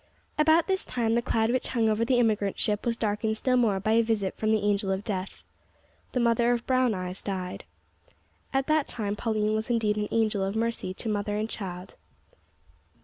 About this time the cloud which hung over the emigrant ship was darkened still more by a visit from the Angel of Death. The mother of Brown eyes died. At that time Pauline was indeed an angel of mercy to mother and child.